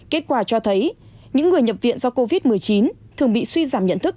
kết quả cho thấy những người nhập viện do covid một mươi chín thường bị suy giảm nhận thức